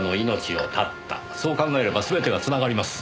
そう考えれば全てが繋がります。